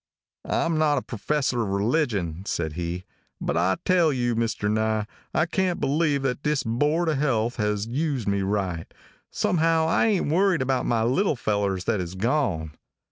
"I am not a professor of religion," said he, "but I tell you, Mr. Nye, I can't believe that this board of health has used me right. Somehow I ain't worried about my little fellers that is gone.